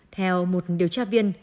theo một điều tra viên